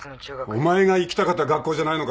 お前が行きたかった学校じゃないのか？